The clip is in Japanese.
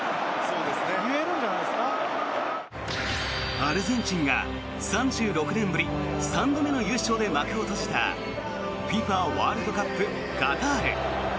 アルゼンチンが３６年ぶり３度目の優勝で幕を閉じたＦＩＦＡワールドカップカタール。